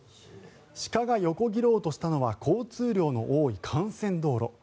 鹿が横切ろうとしたのは交通量の多い幹線道路。